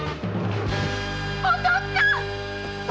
お父っつぁん！